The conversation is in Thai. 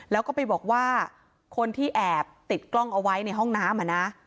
แล้วก็ไปบอกว่าคนที่แอบติดกล้องเอาไว้ในห้องน้ำอ่ะนะ